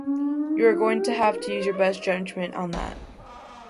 You are going to have to use your best judgement on that.